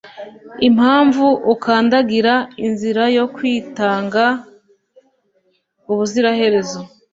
impamvu, ukandagira inzira yo kwitanga ubuziraherezo.